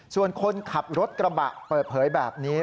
ส่วนคนขับรถกระบะเปิดเผยแบบนี้